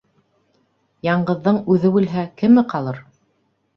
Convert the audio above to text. Яңғыҙҙың үҙе үлһә, кеме ҡалыр?